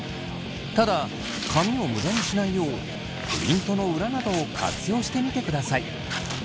ただ紙を無駄にしないようプリントの裏などを活用してみてください。